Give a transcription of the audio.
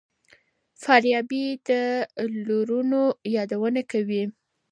فارابي د رولونو يادونه کوي.